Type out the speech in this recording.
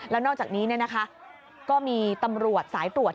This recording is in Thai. แล้วนอกจากนี้ก็มีตำรวจสายตรวจ